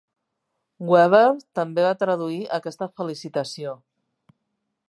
Weber també va traduir aquesta felicitació.